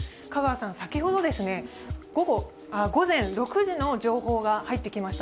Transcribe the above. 先ほど午前６時の情報が入ってきました。